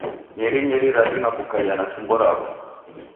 Nyerinyeri radima kukaia na chumbo rawo.